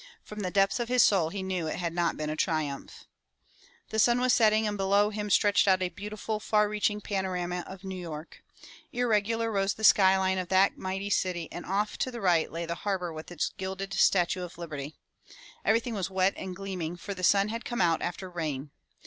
From the depths of his soul he knew it had not been a triumph. The sun was setting and below him stretched out a beautiful far reaching panorama of New York. Irregular rose the sky line of that mighty city and off to the right lay the harbor with its gilded Statue of Liberty. Everything was wet and gleaming, for the sun had come out after rain.